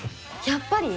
やっぱり。